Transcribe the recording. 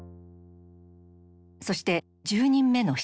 そして１０人目の質問。